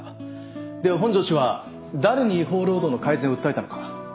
では本庄氏は誰に違法労働の改善を訴えたのか。